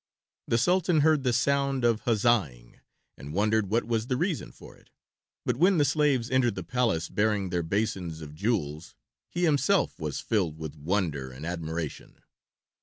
The Sultan heard the sound of huzzahing and wondered what was the reason for it. But when the slaves entered the palace bearing their basins of jewels he himself was filled with wonder and admiration.